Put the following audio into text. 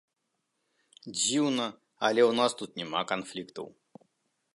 Дзіўна, але ў нас тут няма канфліктаў.